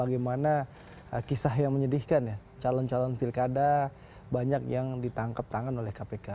bagaimana kisah yang menyedihkan ya calon calon pilkada banyak yang ditangkap tangan oleh kpk